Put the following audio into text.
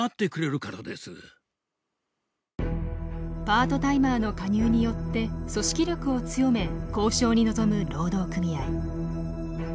パートタイマーの加入によって組織力を強め交渉に臨む労働組合。